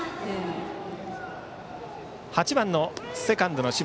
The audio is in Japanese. ８番のセカンドの柴。